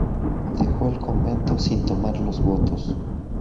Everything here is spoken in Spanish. Dejó el convento sin tomar los votos.